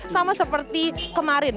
sama seperti kemarin